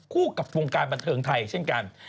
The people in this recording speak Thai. คู่กับวงการบันเทิงไทยเช่นกัน